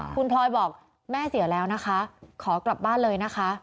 คุณพลอยบอกแม่เสียแล้วนะคะขอกลับบ้านเลยนะคะ